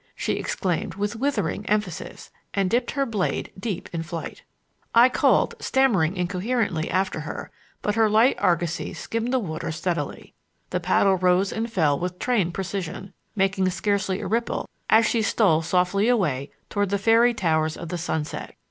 she exclaimed with withering emphasis, and dipped her blade deep in flight. I called, stammering incoherently, after her, but her light argosy skimmed the water steadily. The paddle rose and fell with trained precision, making scarcely a ripple as she stole softly away toward the fairy towers of the sunset.